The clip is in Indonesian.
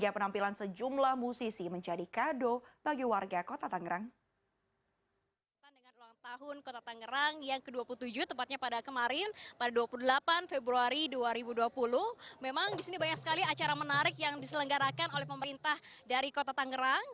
banyak sekali acara menarik yang diselenggarakan oleh pemerintah dari kota tangerang